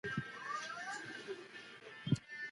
سپي بښنه غوښته